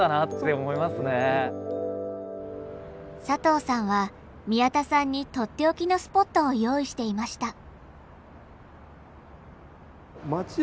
佐藤さんは宮田さんに取って置きのスポットを用意していました。